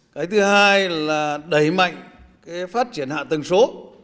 cái thứ hai là đẩy mạnh phát triển hạ tầng số